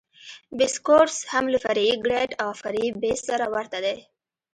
بیس کورس هم له فرعي ګریډ او فرعي بیس سره ورته دی